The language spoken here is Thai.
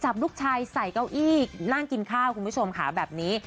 จับลูกชายใส่เก้าอี้นั่งกินข้าวคุณผู้ชมค่ะแบบนี้